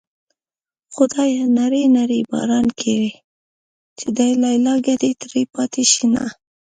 خدايه نری نری باران کړې چې د ليلا ګډې تړلې پاتې شينه